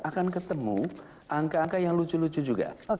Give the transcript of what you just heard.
akan ketemu angka angka yang lucu lucu juga